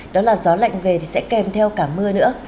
đó là gió lạnh về thì sẽ kèm theo cả mưa nữa